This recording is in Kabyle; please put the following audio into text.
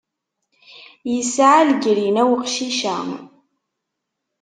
Yesɛa legrina uqcic-a.